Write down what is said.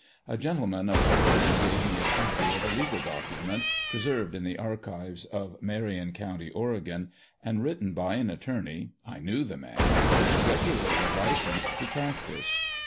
A gentleman of Oregon gave me a copy of a legal document, preserved in the archives of Marion County, Oregon, and written by an attorney (1 knew the man) regularly licensed to practise.